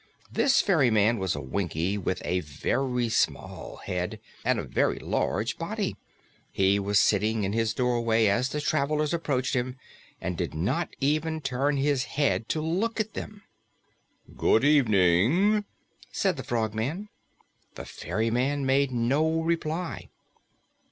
This ferryman was a Winkie with a very small head and a very large body. He was sitting in his doorway as the travelers approached him and did not even turn his head to look at them. "Good evening," said the Frogman. The ferryman made no reply.